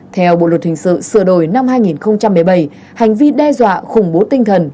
theo bộ luật hình sự sửa đổi năm hai nghìn một mươi bảy hành vi đe dọa khủng bố tinh thần